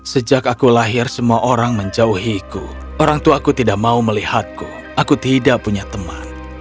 sejak aku lahir semua orang menjauhiku orangtuaku tidak mau melihatku aku tidak punya teman